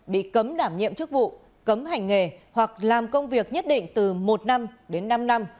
bị cấm đảm nhiệm chức vụ cấm hành nghề hoặc làm công việc nhất định từ một năm đến năm năm